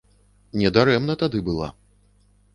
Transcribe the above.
Не дарэмна тады была.